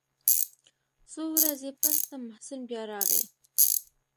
څو ورځې پس ته محسن بيا راغى.